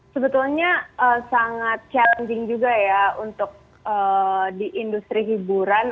sebetulnya sangat challenging juga ya untuk di industri hiburan